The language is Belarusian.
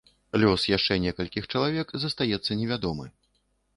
Лёс яшчэ некалькіх чалавек застаецца невядомы.